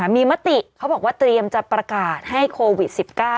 มีมติเขาบอกว่าเตรียมจะประกาศให้โควิด๑๙